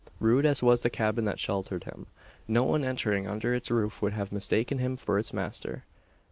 Rude as was the cabin that sheltered him, no one entering under its roof would have mistaken him for its master.